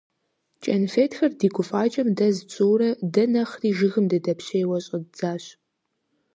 КӀэнфетхэр ди гуфӀакӀэм дэз тщӀыурэ, дэ нэхъри жыгым дыдэпщейуэ щӀэддзащ.